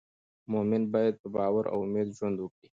مؤمن باید په باور او امید ژوند وکړي.